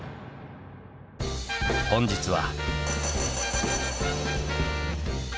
本日は。